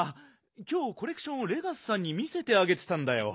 きょうコレクションをレガスさんに見せてあげてたんだよ。